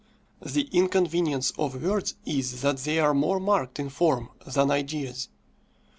The inconvenience of words is that they are more marked in form than ideas.